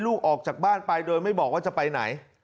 ออกจากบ้านไปโดยไม่บอกว่าจะไปไหน